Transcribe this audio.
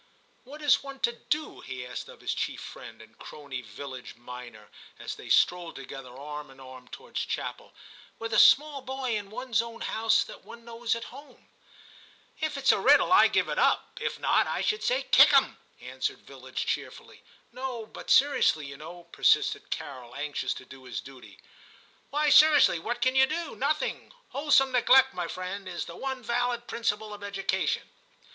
* What is one to do,' he asked of his chief friend and crony Villidge minor, as they strolled together arm in arm towards chapel, 'with a small boy in one's own house that one knows at home ?'* If it's a riddle I give it up ; if not, I should say kick him,' answered Villidge cheerfully. 92 TIM CHAP. ' No, but seriously, you know,' persisted Carol, anxious to do his duty. * Why, seriously, what can you do ? Nothing. Wholesome neglect, my friend, is the one valid principle of education.'